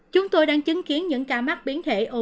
chúng tôi đang chứng kiến những ca mắc biến thể omicron